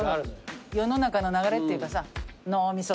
世の中の流れっていうかさ。